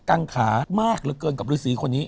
ังขามากเหลือเกินกับฤษีคนนี้